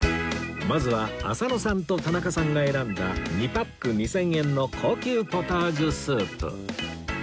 まずは浅野さんと田中さんが選んだ２パック２０００円の高級ポタージュスープ